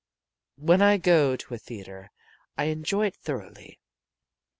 When I go to a theater I enjoy it thoroughly.